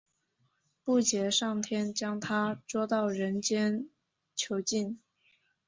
布杰上天将它捉到人间囚禁。